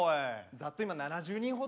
ざっと今７０人ほど。